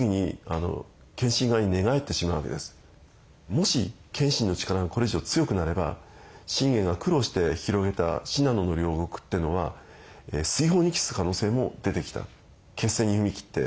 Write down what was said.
もし謙信の力がこれ以上強くなれば信玄が苦労して広げた信濃の領国ってのは水泡に帰す可能性も出てきた。